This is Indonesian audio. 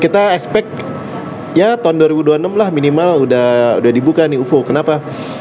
kita expect ya tahun dua ribu dua puluh enam lah minimal udah dibuka nih ufo kenapa